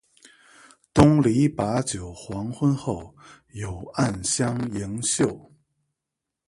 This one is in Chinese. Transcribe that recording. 东篱把酒黄昏后，有暗香盈袖